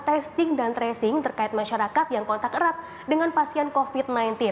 testing dan tracing terkait masyarakat yang kontak erat dengan pasien covid sembilan belas